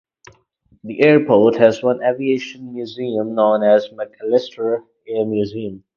The airport has one aviation museum known as McAllister Air Museum.